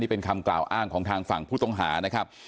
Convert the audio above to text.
เป็นคำกล่าวอ้างของทางฝั่งผู้ต้องหานะครับ